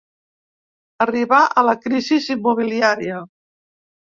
Arribar a la crisis inmobiliaria.